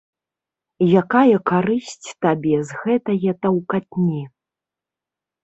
Якая карысць табе з гэтае таўкатні.